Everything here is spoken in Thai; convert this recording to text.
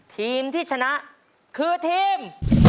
ทีมที่ชนะคือทีม